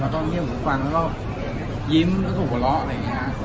แล้วก็เยี่ยมเยี่ยมฟังแล้วก็ยิ้มแล้วก็หัวเราะอะไรอย่างนี้ครับ